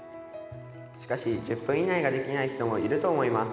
しかし１０分以内ができない人もいると思います。